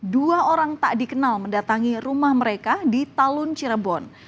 dua orang tak dikenal mendatangi rumah mereka di talun cirebon